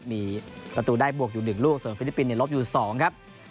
มีประตูได้บวกอยู่๑ลูกส่วนฟิลิปปินส์ลบอยู่๒ครับ